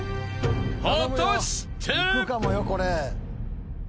［果たして？］